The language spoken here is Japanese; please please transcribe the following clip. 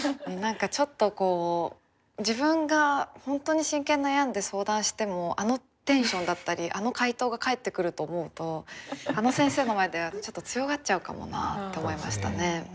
何かちょっとこう自分が本当に真剣に悩んで相談してもあのテンションだったりあの回答が返ってくると思うとあの先生の前ではちょっと強がっちゃうかもなあって思いましたね。